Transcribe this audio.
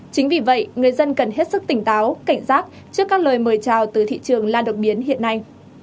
chính vì vậy người dân cần hết sức tỉnh táo cảnh giác trước các lời mời chào từ thị trường lan đột biến hiện nay